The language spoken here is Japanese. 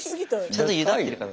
ちゃんとゆだってるかな。